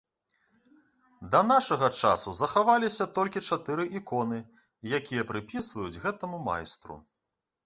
Да нашага часу захаваліся толькі чатыры іконы, якія прыпісваюць гэтаму майстру.